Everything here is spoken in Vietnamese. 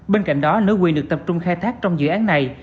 bên cạnh đó nữ quyền được tập trung khai thác trong dự án này